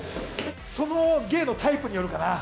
その芸のタイプによるかな。